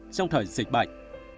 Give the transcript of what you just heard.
trong thời dịch bệnh